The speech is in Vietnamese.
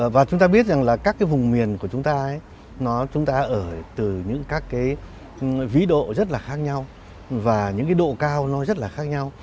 và chúng ta biết rằng là các cái vùng miền của chúng ta chúng ta ở từ những các cái ví độ rất là khác nhau và những cái độ cao nó rất là khác nhau